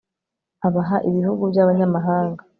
abaha ibihugu by'abanyamahanga